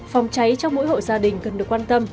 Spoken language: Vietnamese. phòng cháy trong mỗi hộ gia đình cần được quan tâm